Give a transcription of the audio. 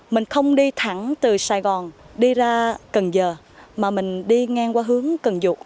mình không đi thẳng từ sài gòn đi ra cần giờ mà mình đi ngang qua hướng cần dục